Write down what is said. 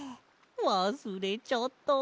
わすれちゃった。